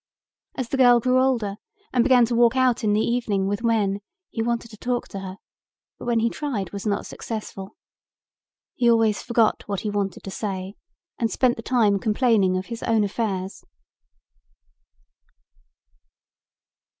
As the girl grew older and began to walk out in the evening with men he wanted to talk to her, but when he tried was not successful. He always forgot what he wanted to say and spent the time complaining of his own affairs.